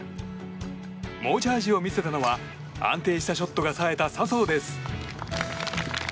猛チャージを見せたのは安定したショットがさえた笹生です。